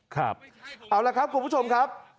ครับ